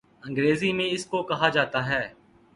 انگریزی میں اس کو کہا جاتا ہے